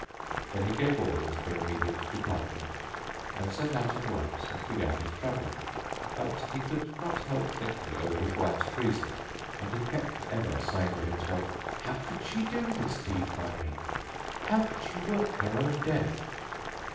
Then he gave orders for immediate departure and set out at once and began his travel; but he could not help thinking over his wife's treason and he kept ever saying to himself, "How could she do this deed by me? How could she work her own death?